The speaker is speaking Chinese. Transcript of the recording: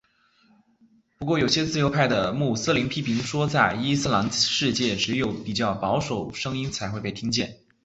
不过有些自由派的穆斯林批评说在伊斯兰世界只有比较保守声音才会被听见。